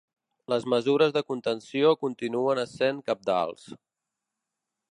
Les mesures de contenció continuen essent cabdals.